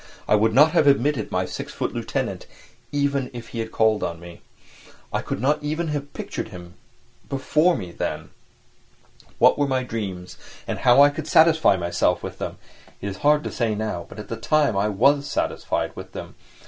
I would not have admitted my six foot lieutenant even if he had called on me. I could not even picture him before me then. What were my dreams and how I could satisfy myself with them—it is hard to say now, but at the time I was satisfied with them.